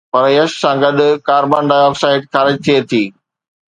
پر يش سان گڏ ڪاربان ڊاءِ آڪسائيڊ خارج ٿئي ٿي